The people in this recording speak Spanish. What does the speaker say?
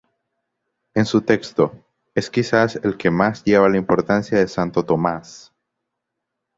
En su texto, es quizás el que más lleva la impronta de santo Tomás.